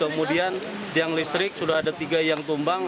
kemudian di yang listrik sudah ada tiga yang tumbang